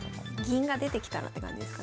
銀が出てきたらって感じですかね。